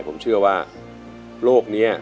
ผมเชื่อว่าโลกนี้